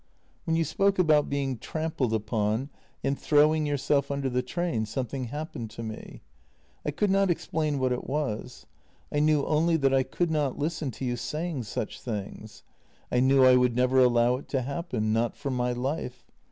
" When you spoke about being trampled upon and throwing yourself under the train, something happened to me. I could not explain what it was. I knew only that I could not listen to you saying such things. I knew I would never allow it to happen — not for my life.